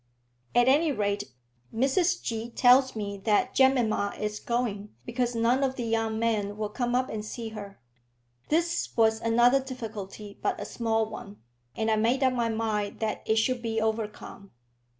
"At any rate, Mrs G. tells me that Jemima is going, because none of the young men will come up and see her." This was another difficulty, but a small one, and I made up my mind that it should be overcome.